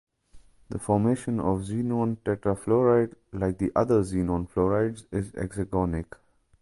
The formation of xenon tetrafluoride, like the other xenon fluorides, is exergonic.